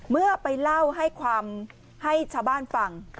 เมื่อไปเล่าให้ความให้ชาวบ้านฟัง